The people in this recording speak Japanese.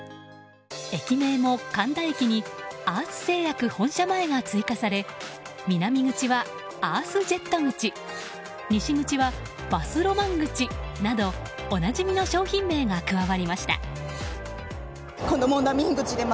駅名も、神田駅にアース製薬本社前が追加され南口はアースジェット口西口はバスロマン口などおなじみの商品名が加わりました。